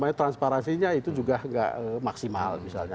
ternyata transparansinya itu juga gak maksimal